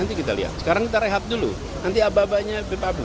nanti kita lihat sekarang kita rehat dulu nanti aba abanyak